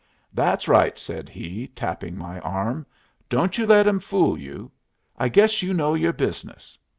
"That's right!" said he, tapping my arm. "Don't you let 'em fool you. I guess you know your business.